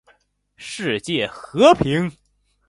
世界和平